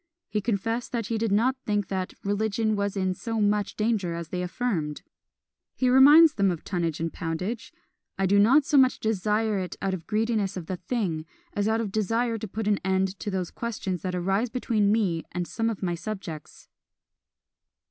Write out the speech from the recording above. He confessed that he did not think that "religion was in so much danger as they affirmed." He reminds them of tonnage and poundage; "I do not so much desire it out of greediness of the thing, as out of a desire to put an end to those questions that arise between me and some of my subjects."